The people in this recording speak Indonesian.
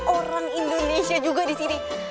orang indonesia juga disini